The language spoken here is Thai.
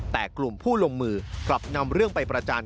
แต่กลุ่มผู้ลงมือกลับนำเรื่องไปประจาน